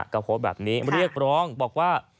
ก็โพสต์แบบนี้เรียกร้องบอกว่า